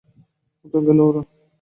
কোথায় গেল ওরা?